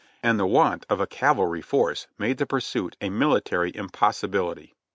And the want of a cavalry force made the pursuit a military impossibihty."